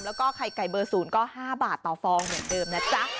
แล้วก็ไข่ไก่เบอร์๐ก็๕บาทต่อฟองเหมือนเดิมนะจ๊ะ